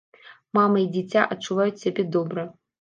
Мама і дзіця адчуваюць сябе добра.